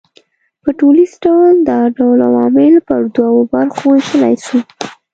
په ټوليز ډول دا ډول عوامل پر دوو برخو وېشلای سو